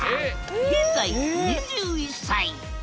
現在２１歳。